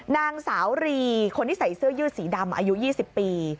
นางสาวรีคนที่ใส่เสื้อยืดสีดำอายุ๒๐ปี